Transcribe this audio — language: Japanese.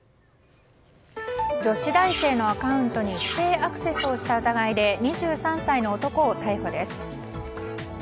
女子大生のアカウントに不正アクセスをした疑いで２３歳の男を逮捕です。